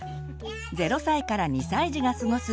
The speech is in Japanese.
０歳から２歳児が過ごす